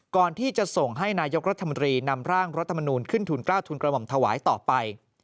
ก่อนที่จะส่งให้นายกรัฐมนตรีนำร่างรัฐมนูลขึ้นทุนกล้าวทุนกระหม่อมถวายต่อไป